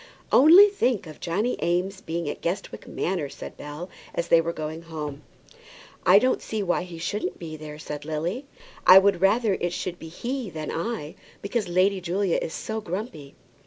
"Only think of Johnny Eames being at Guestwick Manor!" said Bell, as they were going home. "I don't see why he shouldn't be there," said Lily. "I would rather it should be he than I, because Lady Julia is so grumpy."